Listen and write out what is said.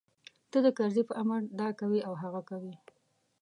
ته د کرزي په امر دا کوې او هغه کوې.